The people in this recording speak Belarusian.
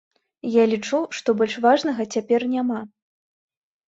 Я лічу, што больш важнага цяпер няма.